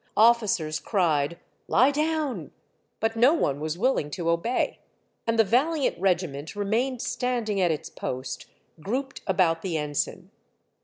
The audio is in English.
Officers cried, " Lie down !" but no one was willing to obey, and the valiant regiment remained standing at its post, grouped about the ensign.